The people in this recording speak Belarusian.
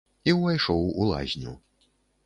І ўвайшоў у лазню.